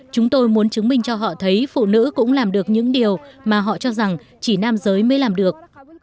chúng tôi muốn chứng minh cho họ thấy phụ nữ cũng làm được những điều mà họ cho rằng chỉ nam giới mới làm được